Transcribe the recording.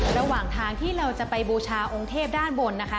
ระหว่างทางที่เราจะไปบูชาองค์เทพด้านบนนะคะ